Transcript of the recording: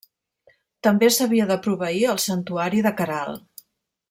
També s'havia de proveir el Santuari de Queralt.